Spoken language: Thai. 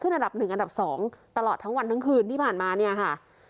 อันดับ๑อันดับ๒ตลอดทั้งวันทั้งคืนที่ผ่านมาเนี่ยค่ะ